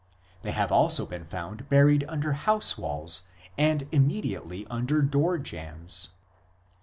They have also been found buried under house walls and immediately under door jambs.